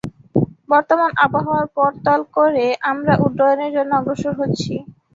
বর্তমান আবহাওয়ার পরতাল করে, আমরা উড্ডয়নের জন্য অগ্রসর হচ্ছি।